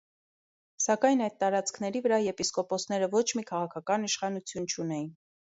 Սակայն այդ տարածքների վրա եպիսկոպոսները ոչ մի քաղաքական իշխանություն չունեին։